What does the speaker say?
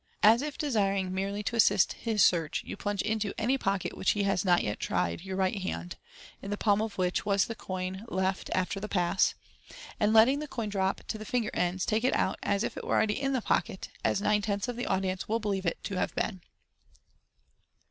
As if desiring merely to assist his search, you plunge into iny pocket which he has net yet tried your right hand (in the palm of which the coin was left after the pass), and letting the can drop MODERN MAGIC. 163 to the finger ends, take it out as if it were already in the pocket, as nine tenths of the audience will believe it to have been.